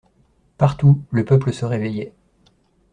Partout le peuple se réveillait.